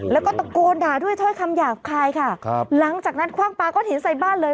แล้วก็ตะโกนด่าด้วยถ้อยคำหยาบคายค่ะครับหลังจากนั้นคว่างปลาก้อนหินใส่บ้านเลย